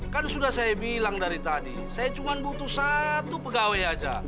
kan sudah saya bilang dari tadi saya cuma butuh satu pegawai aja